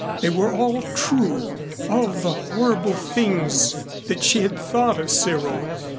They were all true all the horrible things that she had thought of Cyril!